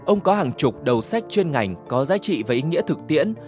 ông có hàng chục đầu sách chuyên ngành có giá trị và ý nghĩa thực tiễn